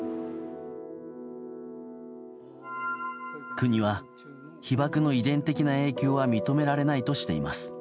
国は被爆の遺伝的な影響は認められないとしています。